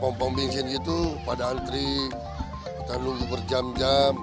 pompong bingin gitu pada antri lalu berjam jam